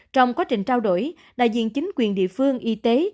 trong quá trình trao đổi đại diện chính quyền địa phương y tế